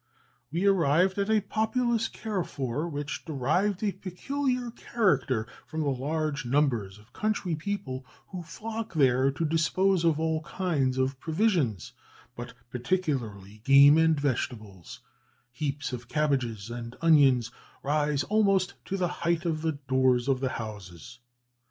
We arrived at a populous carrefour, which derived a peculiar character from the large numbers of country people who flock there to dispose of all kinds of provisions, but particularly, game and vegetables; heaps of cabbages and onions rise almost to the height of the doors of the houses.